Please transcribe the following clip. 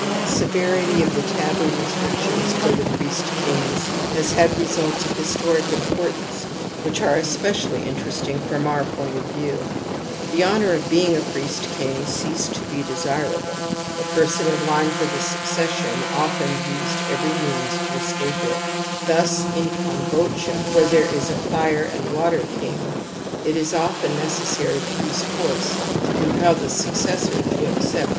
lifi severity of the taboo restrictions for the priest kings has had re sults of historic importance which are especially interesting from our point of view. Thejxongijj^ person in line for the succession often used every means to escape it. Thus in Combodscha, where there is a fire and water king, it is often necessary to use force to compel the successor to accept the *^ Fxaser, 2.